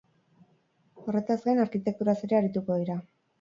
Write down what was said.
Horretaz gain, arkitekturaz ere arituko dira.